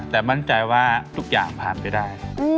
แต่มั่นใจว่าทุกอย่างผ่านไปได้